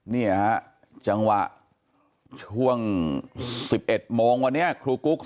เนี่ยฮะจังหวะช่วงสิบเอ็ดโมงวันนี้ครูกุ๊กส่ง